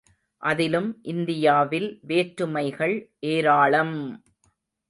அதிலும் இந்தியாவில் வேற்றுமைகள் ஏராளம்!